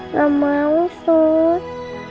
kamu mau sus